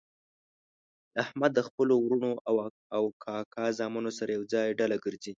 احمد د خپلو ورڼو او کاکا زامنو سره ېوځای ډله ګرځي.